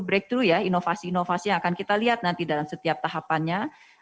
break dulu ya inovasi inovasi yang akan kita lihat nanti dalam setiap tahapannya